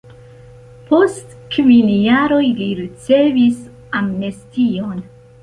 Post kvin jaroj li ricevis amnestion.